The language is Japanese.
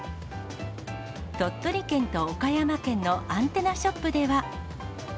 鳥取県と岡山県のアンテナショップでは。